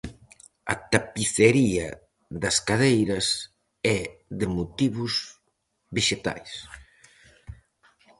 A tapicería das cadeiras é de motivos vexetais.